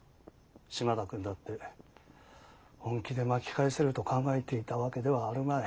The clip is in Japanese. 島田君だって本気で巻き返せると考えていたわけではあるまい。